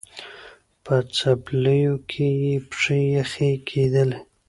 په څپلیو کي یې پښې یخی کېدلې